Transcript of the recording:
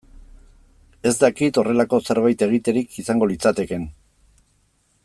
Ez dakit horrelako zerbait egiterik izango litzatekeen.